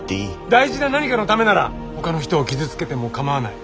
大事な何かのためならほかの人を傷つけてもかまわない。